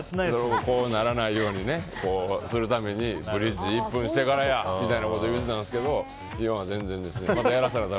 猫背にならないようにブリッジしてからやみたいなこと言うてたんですけど今は全然ですね。